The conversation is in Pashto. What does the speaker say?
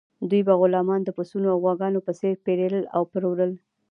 دوی به غلامان د پسونو او غواګانو په څیر پیرل او پلورل.